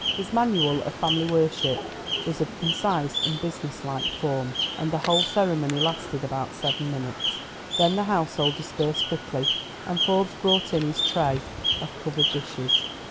His manual of family worship was of concise and businesslike form, and the whole ceremony lasted about seven minutes. Then the household dispersed quickly, and Forbes brought in his tray of covered dishes.